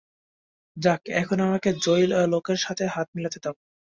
যাক এখন আমাকে, জয়ী লোকের সাথে হাত মিলাতে দাও।